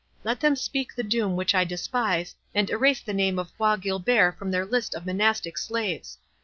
Let them speak the doom which I despise, and erase the name of Bois Guilbert from their list of monastic slaves!